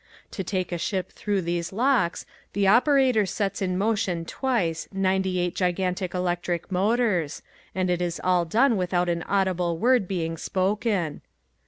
To take a ship through these locks the operator sets in motion twice ninety eight gigantic electric motors and it is all done without an audible word being spoken.